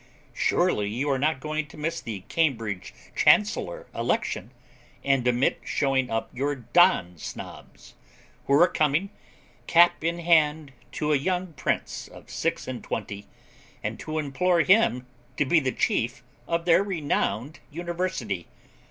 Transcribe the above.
'Surely you are not going to miss the Cambridge Chancellor election, and omit showing up your Don Snobs, who are coming, cap in hand, to a young Prince of six and twenty, and to implore him to be the chief of their renowned University?'